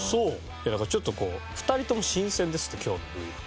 いやだからちょっとこう２人とも新鮮ですって今日のＶは。